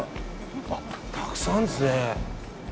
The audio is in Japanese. たくさんあるんですね。